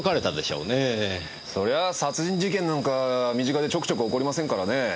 そりゃあ殺人事件なんか身近でちょくちょく起こりませんからね。